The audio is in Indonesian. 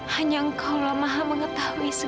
hanya engkau lah maha mengetahuinya